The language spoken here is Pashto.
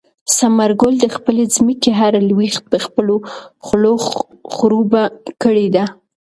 ثمر ګل د خپلې ځمکې هره لوېشت په خپلو خولو خړوبه کړې ده.